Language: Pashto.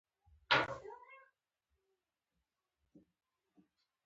کتابونه د ذهن تر ټولو ښه تمرین دی.